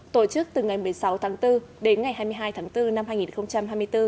tổ chức từ ngày một mươi sáu tháng bốn đến ngày hai mươi hai tháng bốn năm hai nghìn hai mươi bốn